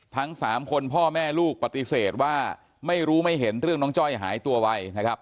ทั้งสามคนพ่อแม่ลูกปฏิเสธว่าไม่รู้ไม่เห็นเรื่องน้องจ้อยหายตัวไปนะครับ